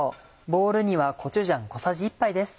ボウルにはコチュジャン小さじ１杯です。